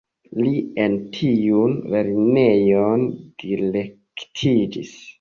Li en tiun lernejon direktiĝis.